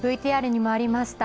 ＶＴＲにもありました